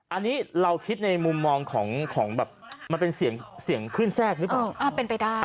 อันนี้เราคิดในมุมมองของมันเป็นเสียงขึ้นแทรกหรือเปล่า